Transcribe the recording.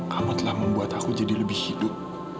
kamu telah membuat aku jadi lebih hidup